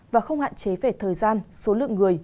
và không hạn chế về thời gian số lượng người